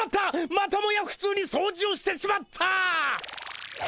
またもやふつうに掃除をしてしまった！